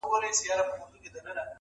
o کوزه په دري چلي ماتېږي٫